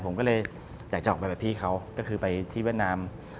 ผมก็เลยอยากจะออกไปแบบพี่เขาก็คือไปที่เวียดนาม